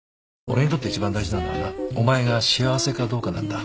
俺にとって一番大事なのはなお前が幸せかどうかなんだ。